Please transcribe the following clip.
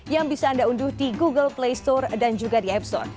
yang bisa anda unduh di google play store dan juga di app store